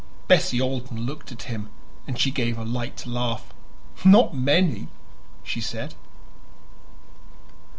Bessie Alden looked at him, and she gave a light laugh. "Not many," she said.